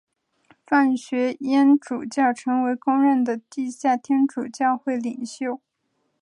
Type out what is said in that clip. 范学淹主教成为公认的地下天主教会领袖。